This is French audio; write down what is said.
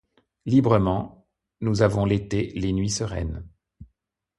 Librement !— Nous avons l’été, les nuits sereines